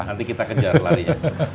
nanti kita kejar larinya